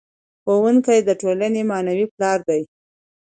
ښوونکی د ټولنې معنوي پلار دی.